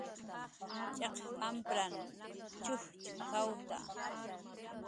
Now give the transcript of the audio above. "cx'iq ampranhn ch'ujchk""awt""a "